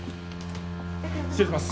・失礼します。